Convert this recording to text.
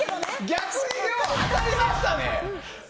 逆に、よう当たりましたね。